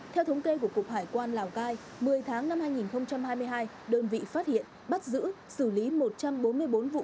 theo thống kê của cục hải quan lào cai một mươi tháng năm hai nghìn hai mươi hai đơn vị phát hiện bắt giữ xử lý một trăm bốn mươi bốn vụ